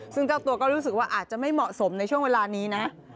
ซึ่งเจ้าตัวก็รู้สึกว่าอาจจะไม่เหมาะสมในช่วงเวลานี้นะ